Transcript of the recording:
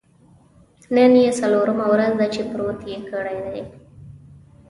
نن یې څلورمه ورځ ده چې پروت یې کړی دی.